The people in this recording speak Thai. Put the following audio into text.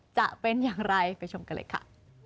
จะเป็นอย่างไรไปชมกันเลยค่ะ